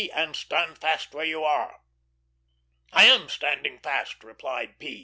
and stand fast where you are." "I am standing fast," replied P.